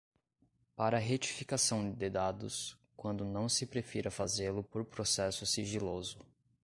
para a retificação de dados, quando não se prefira fazê-lo por processo sigiloso